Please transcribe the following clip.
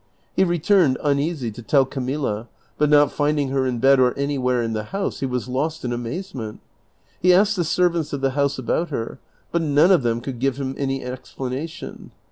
He returned, uneasy, to tell Camilla, but not finding her in bed or anywhere in the house he was lost in amazement. He; asked the servants of the house about her, but none of them could give him any explanation.